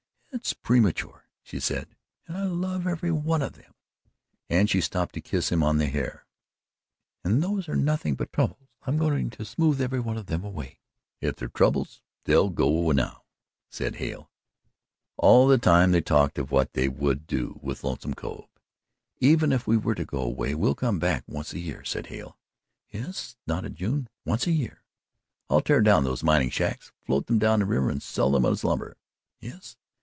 "It's premature," she said, "and I love every one of them." And she stooped to kiss him on the hair. "And those are nothing but troubles. I'm going to smooth every one of them away." "If they're troubles, they'll go now," said Hale. All the time they talked of what they would do with Lonesome Cove. "Even if we do go away, we'll come back once a year," said Hale. "Yes," nodded June, "once a year." "I'll tear down those mining shacks, float them down the river and sell them as lumber." "Yes."